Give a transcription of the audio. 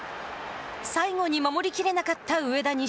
最後に守りきれなかった上田西。